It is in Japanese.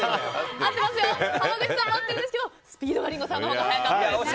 濱口さんも合ってるんですけどもスピードはリンゴさんのほうが早かったですね。